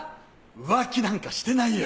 浮気なんかしてないよ。